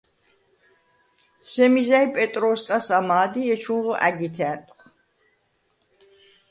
სემი ზა̈ჲ პეტროუ̂სკას ამა̄დ ი ეჩუნღო ა̈გითე ა̈ნტუ̂ხ.